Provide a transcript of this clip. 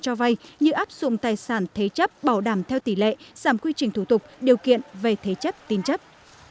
cho vay như áp dụng tài sản thế chấp bảo đảm theo tỷ lệ giảm quy trình thủ tục điều kiện về thế chấp tin chấp